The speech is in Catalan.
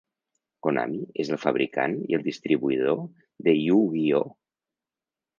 Konami és el fabricant i el distribuïdor de Yu-Gi-Oh!